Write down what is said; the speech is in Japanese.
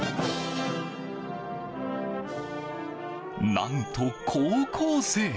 何と高校生！